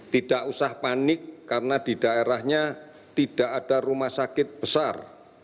tidak usah panik karena di daerahnya tidak ada rumah sakit besar